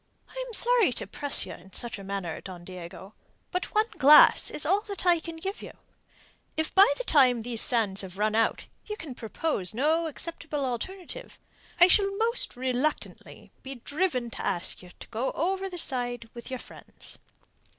"I am sorry to press you in such a matter, Don Diego, but one glass is all that I can give you. If by the time those sands have run out you can propose no acceptable alternative, I shall most reluctantly be driven to ask you to go over the side with your friends."